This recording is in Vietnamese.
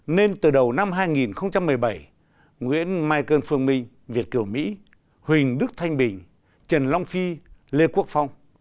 nên từ đầu năm hai nghìn một mươi bảy nguyễn mai cơn phương minh việt kiều mỹ huỳnh đức thanh bình trần long phi lê quốc phong